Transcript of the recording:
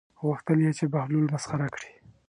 غوښتل یې چې بهلول مسخره کړي.